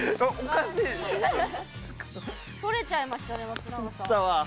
取れちゃいましたね松永さん。